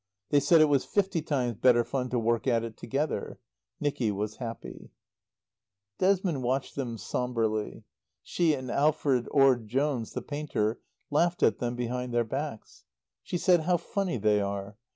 They said it was fifty times better fun to work at it together. Nicky was happy. Desmond watched them sombrely. She and Alfred Orde Jones, the painter, laughed at them behind their backs. She said "How funny they are!